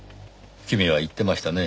君は言ってましたね。